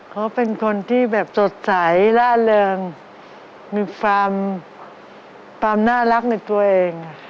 เขาเป็นคนที่แบบสดใสล่าเริงมีความน่ารักในตัวเอง